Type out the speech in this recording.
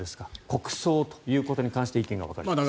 国葬ということに関して意見が分かれています。